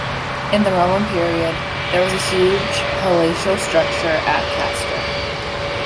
In the Roman period, there was a huge palatial structure at Castor.